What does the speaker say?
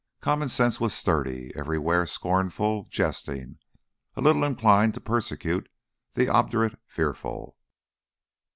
Common sense was sturdy everywhere, scornful, jesting, a little inclined to persecute the obdurate fearful.